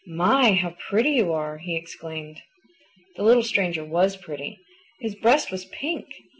"My, how pretty you are!" he exclaimed. The little stranger WAS pretty. His breast was PINK.